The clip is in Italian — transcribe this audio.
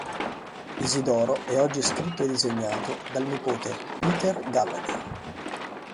Isidoro è oggi scritto e disegnato dal nipote Peter Gallagher.